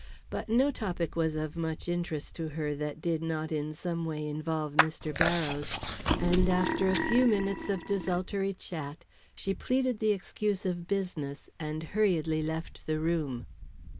But no topic was of much interest to her, that did not in some way involve Mr. Barrows; and after a few minutes of desultory chat, she pleaded the excuse of business and hurriedly left the room.